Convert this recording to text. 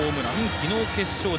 昨日、決勝打